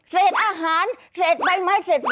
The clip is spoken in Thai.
เศษอาหารเศษใบไม้เศษ